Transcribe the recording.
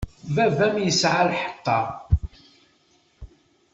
Baba-m yesɛa lḥeṭṭa.